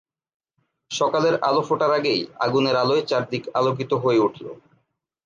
সকালের আলো ফোটার আগেই আগুনের আলোয় চারদিক আলোকিত হয়ে উঠল।